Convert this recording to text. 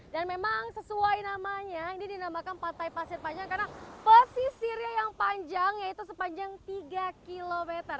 dan memang sesuai namanya ini dinamakan pantai pasir panjang karena posisi dia yang panjang yaitu sepanjang tiga km